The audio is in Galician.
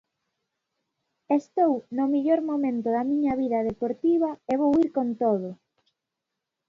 Estou no mellor momento da miña vida deportiva e vou ir con todo.